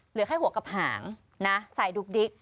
เหลือให้หัวกับหางสายดุกดิ๊ก